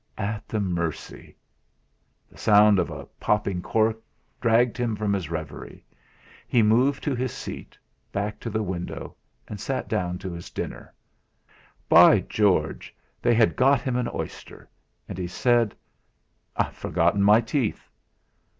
At the mercy ! The sound of a popping cork dragged him from reverie. He moved to his seat, back to the window, and sat down to his dinner. By George! They had got him an oyster! And he said: "I've forgotten my teeth!"